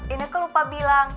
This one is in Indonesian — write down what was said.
ineke lupa bilang